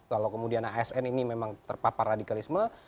lalu kemudian asn ini memang terpapar radikalisme